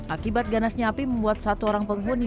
akibat ganasnya api membuat satu orang penghuni